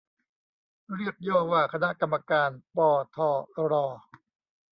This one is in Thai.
เรียกย่อว่า คณะกรรมการ ปอ ทอ รอ